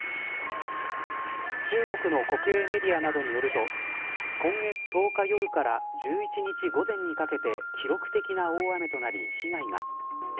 中国の国営メディアなどによると今月１０日夜から１１日午前にかけて記録的な大雨となり被害が。